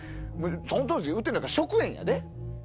その当時売ってるのなんか食塩やで。